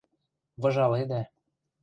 — Выжаледӓ.